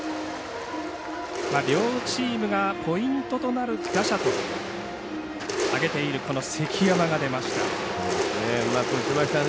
両チームがポイントとなる打者と挙げているうまく打ちましたね。